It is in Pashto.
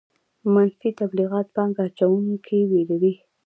منفي تبلیغات پانګه اچوونکي ویروي.